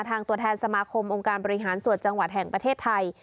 ตัวแทนสมาคมองค์การบริหารส่วนจังหวัดแห่งประเทศไทย